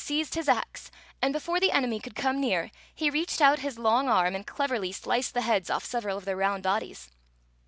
seized his ax, and, before the enemy could come near, he reached out his long arm and cleverly ^iced the heads off several of their round bodies.